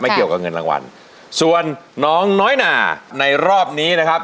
เกี่ยวกับเงินรางวัลส่วนน้องน้อยหนาในรอบนี้นะครับ